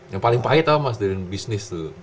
yang paling pahit apa mas dari bisnis tuh